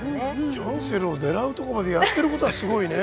キャンセルを狙うところまでやってることはすごいね。